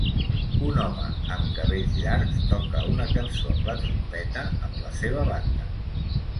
Un home amb cabells llargs toca una cançó amb la trompeta amb la seva banda.